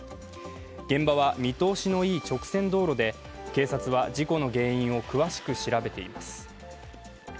現場は見通しのいい直線道路で、警察は事故の原因を詳しく調べています。